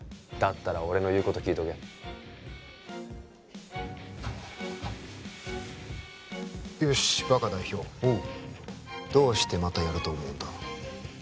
だったら俺の言うこと聞いとけよしバカ代表おうどうしてまたやると思うんだ？